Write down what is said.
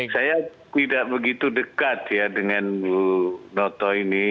saya tidak begitu dekat ya dengan bu noto ini